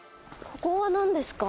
ここは、なんですか？